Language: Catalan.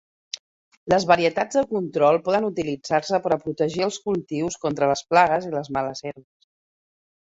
Les varietats de control poden utilitzar-se per a protegir els cultius contra les plagues i les males herbes.